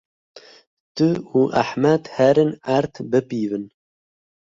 Tu û Ehmed herin erd bipîvin.